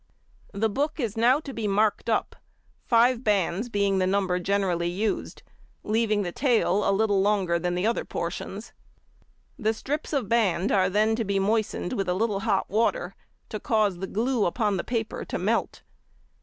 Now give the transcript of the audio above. The book is now to be marked up, five bands being the number generally used, leaving the tail a little longer than the other portions. The strips of band are then to be moistened with a little hot water to cause the glue upon the paper to melt.